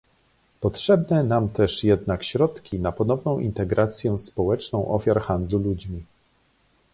Potrzebne nam też jednak środki na ponowną integrację społeczną ofiar handlu ludźmi